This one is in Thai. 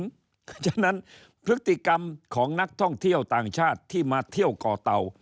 เพราะฉะนั้นพฤติกรรมของนักท่องเที่ยวต่างชาติที่มาเที่ยวก่อเต่า